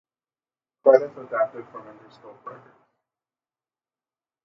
Credits adapted from Interscope Records.